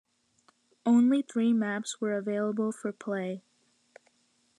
Only three maps were available for play.